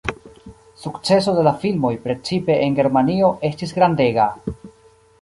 Sukceso de la filmoj precipe en Germanio estis grandega.